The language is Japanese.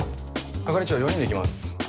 係長４人で行きます。